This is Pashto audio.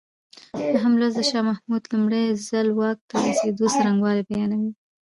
نهم لوست د شاه محمود لومړی ځل واک ته رسېدو څرنګوالی بیانوي.